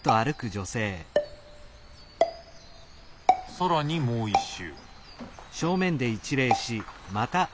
更にもう一周。